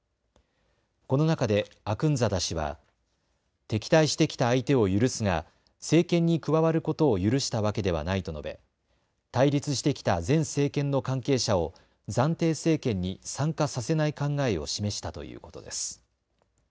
この中でアクンザダ師は敵対してきた相手を許すが政権に加わることを許したわけではないと述べ対立してきた前政権の関係者を暫定政権に参加させない考えを示したということです。